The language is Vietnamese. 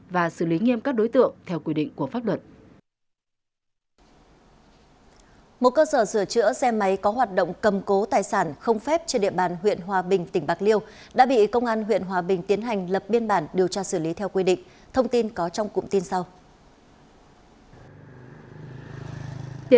và xử lý nghiêm các đối tượng theo quy định của pháp luật